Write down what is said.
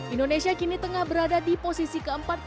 indonesia kini tengah berada di posisi keempat di grup b